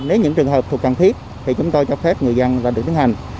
nếu những trường hợp thuộc cần thiết thì chúng tôi cho phép người dân là được tiến hành